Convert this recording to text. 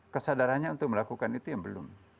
kesadarannya untuk melakukan itu yang belum